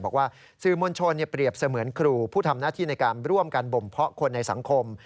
บอกว่าสื่อมวลชนเปรียบเสมือนครูผู้ทำหน้าที่ในการร่วมกันบ่มเพาะคนในสังคม